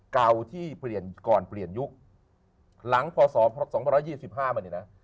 เก่าที่เปลี่ยนก่อนเปลี่ยนยุคหลังพศ๒๒๕มาเนี่ยนะ